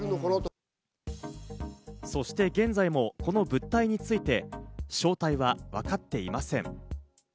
そして現在もこの物体について、正体はわかっていません。